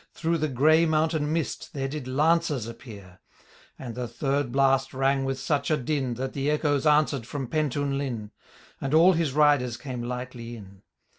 Through the gray mountain mist there did lances appear; And the third blast rang with su<^ a d|n. That the echoes answered from Pentoun linn. And all his riders came lightly in.